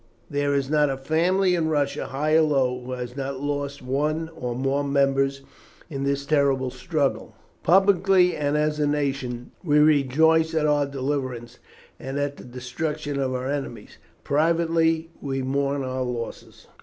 There is not a family in Russia, high or low, who has not lost one or more members in this terrible struggle. Publicly, and as a nation, we rejoice at our deliverance, and at the destruction of our enemies. Privately, we mourn our losses.